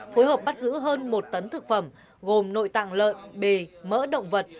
phối hợp bắt giữ hơn một tấn thực phẩm gồm nội tạng lợn bề mỡ động vật